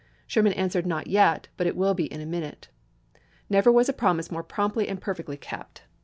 Sherman answered, "Not yet; but it will be in a minute." Never was a promise more promptly and perfectly kept.